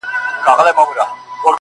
لا هم له پاڼو زرغونه پاته ده!.